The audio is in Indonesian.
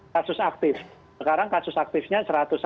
kasus aktif sekarang kasus aktifnya